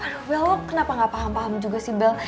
aduh lo kenapa gak paham paham juga sih bel